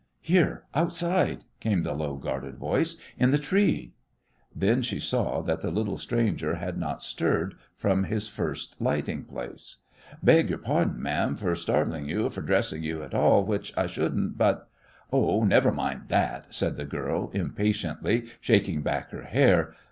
"Here, outside," came the low, guarded voice, "in the tree." Then she saw that the little stranger had not stirred from his first alighting place. "Beg yore pardon, ma'am, fer startling you or fer addressing you at all, which I shouldn't, but " "Oh, never mind that," said the girl, impatiently, shaking back her hair.